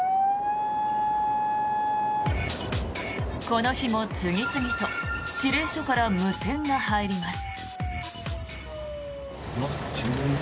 この日も次々と指令所から無線が入ります。